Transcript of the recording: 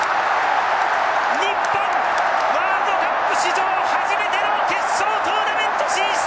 日本ワールドカップ史上初めての決勝トーナメント進出！